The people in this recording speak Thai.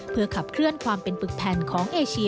เพื่อขับเคลื่อนความเป็นปึกแผ่นของเอเชีย